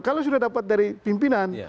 kalau sudah dapat dari pimpinan